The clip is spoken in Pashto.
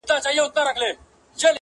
ستا د موسکا- ستا د ګلونو د ګېډیو وطن-